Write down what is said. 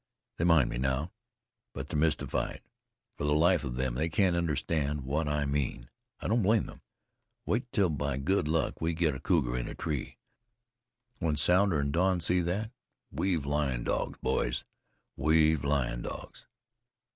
They mind me now, but they're mystified. For the life of them they can't understand what I mean. I don't blame them. Wait till, by good luck, we get a cougar in a tree. When Sounder and Don see that, we've lion dogs, boys! we've lion dogs!